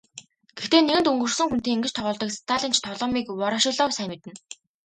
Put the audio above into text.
Гэхдээ нэгэнт өнгөрсөн хүнтэй ингэж тоглодог сталинч тоглоомыг Ворошилов сайн мэднэ.